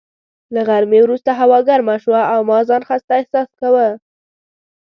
له غرمې وروسته هوا ګرمه شوه او ما ځان خسته احساس کاوه.